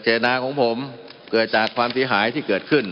มันมีมาต่อเนื่องมีเหตุการณ์ที่ไม่เคยเกิดขึ้น